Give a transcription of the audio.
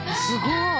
すごい！